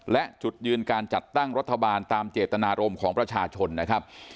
และจุดยืนการจัดตั้งรัฐบาลตามเจตนารมณ์ของประชาชนนะครับ